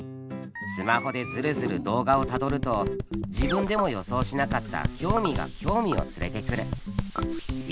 スマホでずるずる動画をたどると自分でも予想しなかった興味が興味を連れてくる。